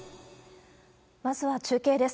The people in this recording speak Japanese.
まずは中継です。